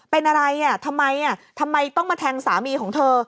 เป็นอะไรอ่ะทำไมทำไมต้องมาแทงสามีของเธอ